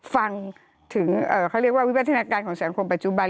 ฟังถึงเขาเรียกว่าวิวัฒนาการของสังคมปัจจุบัน